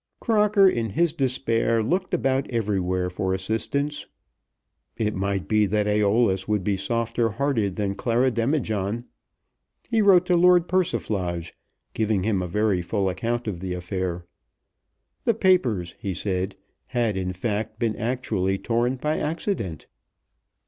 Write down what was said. Crocker in his despair looked about everywhere for assistance. It might be that Æolus would be softer hearted than Clara Demijohn. He wrote to Lord Persiflage, giving him a very full account of the affair. The papers, he said, had in fact been actually torn by accident.